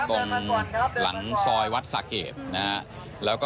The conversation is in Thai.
ตรงหลังซอยวัดสะเกก